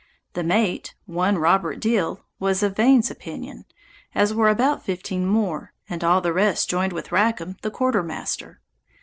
The mate, one Robert Deal, was of Vane's opinion, as were about fifteen more, and all the rest joined with Rackam the quarter master.